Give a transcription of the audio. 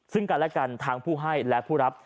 ซึ่งกันและกันทั้งผู้ให้และผู้รับ